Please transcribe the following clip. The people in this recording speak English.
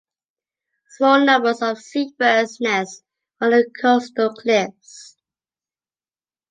Small numbers of seabirds nest on the coastal cliffs.